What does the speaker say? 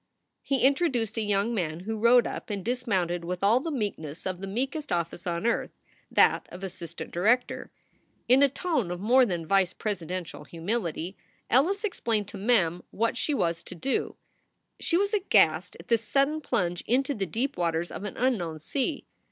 He introduced a young man who rode up and dismounted with all the meekness of the meekest office on earth, that of assistant director. In a tone of more than vice presiden tial humility Ellis explained to Mem what she was to do. She was aghast at this sudden plunge into the deep waters of an unknown sea.